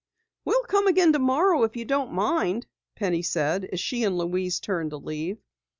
"We'll come again tomorrow, if you don't mind," Penny said as she and Louise turned to leave.